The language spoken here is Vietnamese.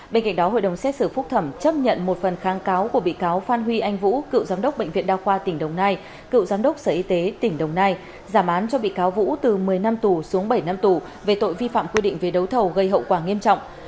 bên cạnh đó hội đồng xét xử phúc thẩm chấp nhận một phần kháng cáo của bị cáo phan huy anh vũ cựu giám đốc bệnh viện đa khoa tỉnh đồng nai cựu giám đốc sở y tế tỉnh đồng nai giảm án cho bị cáo vũ từ một mươi năm tù xuống bảy năm tù về tội vi phạm quy định về đấu thầu gây hậu quả nghiêm trọng